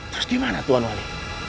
terus gimana tuhan wali